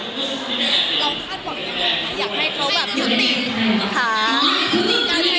เราคาดหวังโดยที่อยากให้เขาอยู่นี้